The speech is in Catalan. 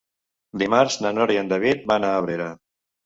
Dimarts na Nora i en David van a Abrera.